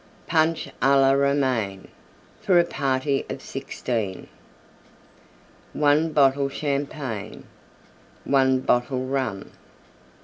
PUNCH A LA ROMAINE (for a party of 16) 1 bottle Champagne. 1 bottle Rum.